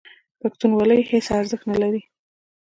پښتونولي هېڅ ارزښت نه لري.